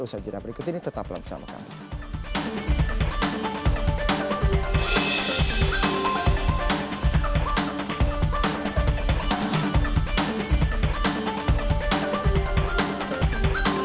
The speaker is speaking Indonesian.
usaha jurnal berikut ini tetap bersama kami